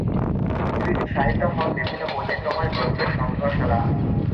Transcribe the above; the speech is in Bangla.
স্মৃতি সাহিত্য হল বিভিন্ন বৈচিত্র্যময় গ্রন্থের সংগ্রহশালা।